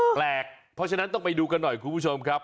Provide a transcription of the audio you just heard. เพราะฉะนั้นต้องไปดูกันหน่อยคุณผู้ชมครับ